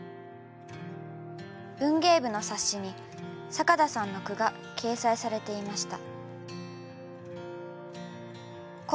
文芸部の冊子に坂田さんの句が掲載されていました。